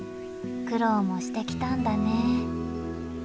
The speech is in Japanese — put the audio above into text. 苦労もしてきたんだね。